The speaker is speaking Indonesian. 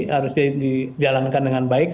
harusnya dijalankan dengan baik